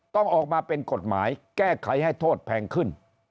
ต้องออกมาเป็นกฎหมายแก้ไขให้โทษแพงขึ้น